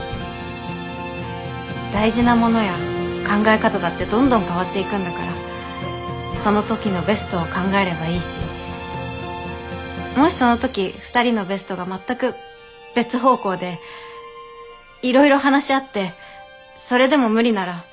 大事なものや考え方だってどんどん変わっていくんだからその時のベストを考えればいいしもしその時二人のベストが全く別方向でいろいろ話し合ってそれでも無理なら。